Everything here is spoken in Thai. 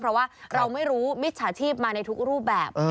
เพราะว่าเราไม่รู้มิจฉาชีพมาในทุกรูปแบบ